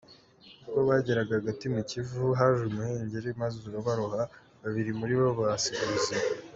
Ubwo bageraga hagati mu Kivu, haje umuhengeri maze urabaroha babiri muri bo bahasiga ubuzima.